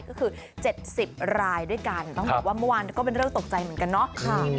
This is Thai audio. ก็คือ๗๐รายด้วยกันต้องบอกว่าเมื่อวานก็เป็นเรื่องตกใจเหมือนกันเนาะ